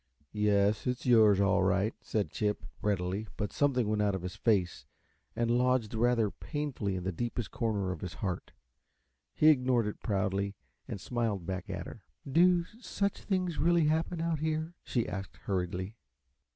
"Yes, it's yours, all right," said Chip, readily, but something went out of his face and lodged rather painfully in the deepest corner of his heart. He ignored it proudly and smiled back at her. "Do such things really happen, out here?" she asked, hurriedly.